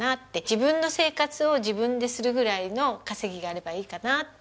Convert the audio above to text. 自分の生活を自分でするぐらいの稼ぎがあればいいかなって。